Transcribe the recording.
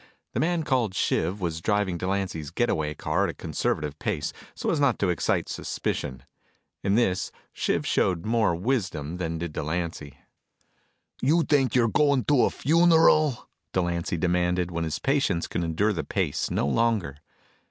The man called Shiv was driving Delancy's get away car at a conservative pace so as not to excite suspicion. In this Shiv showed more wisdom than did Delancy. "You think you're going to a funeral?" Delancy demanded when his patience could endure the pace no longer.